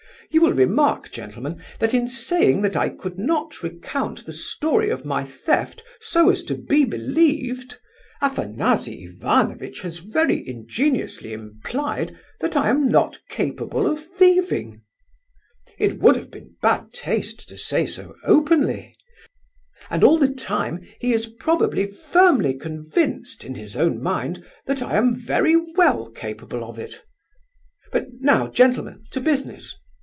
"You will remark, gentlemen, that in saying that I could not recount the story of my theft so as to be believed, Afanasy Ivanovitch has very ingeniously implied that I am not capable of thieving—(it would have been bad taste to say so openly); and all the time he is probably firmly convinced, in his own mind, that I am very well capable of it! But now, gentlemen, to business!